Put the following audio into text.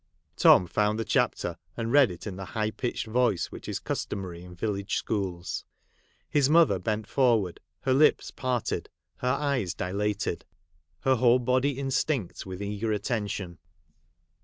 Tom found the chapter, and read it in the high pitched voice which is customary in village schools. His mother bent forward, her Hps parted, her eyes dilated ; her whole body instinct with eager attention.